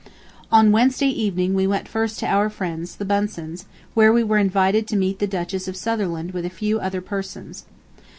... On Wednesday evening we went first to our friends, the Bunsens, where we were invited to meet the Duchess of Sutherland with a few other persons.